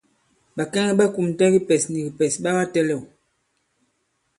Bàkɛŋɛ ɓa kùmtɛ kipɛs ni kìpɛ̀s ɓa katɛ̄lɛ̂w.